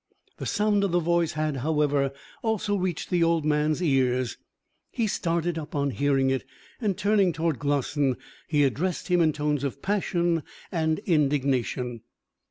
The sound of the voice had, however, also reached the old man's ears. He started up on hearing it, and turning towards Glossin, he addressed him in tones of passion and indignation.